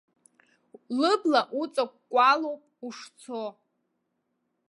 Лыбла уҵаакәкәалоуп ушцо.